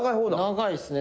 長いっすね。